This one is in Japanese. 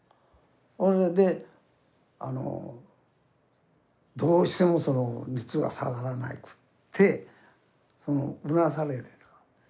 それでどうしても熱が下がらなくってうなされてた。